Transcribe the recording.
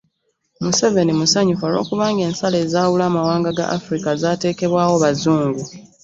Museveni musanyufu olw'okubanga ensalo ezaawula amawanga ga Afirika zaateekebwawo bazungu